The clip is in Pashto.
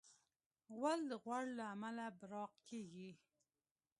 غول د غوړ له امله براق کېږي.